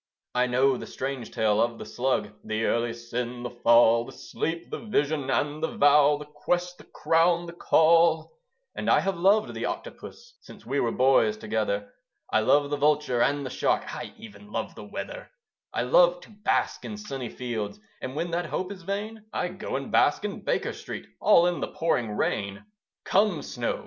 I know the strange tale of the Slug; The Early Sin the Fall The Sleep the Vision and the Vow The Quest the Crown the Call. And I have loved the Octopus, Since we were boys together. I love the Vulture and the Shark: I even love the weather. I love to bask in sunny fields, And when that hope is vain, I go and bask in Baker Street, All in the pouring rain. Come snow!